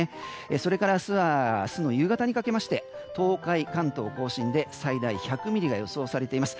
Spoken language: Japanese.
それから明日の夕方にかけまして東海、関東・甲信で最大１００ミリが予想されています。